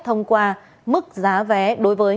thông qua mức giá vé đối với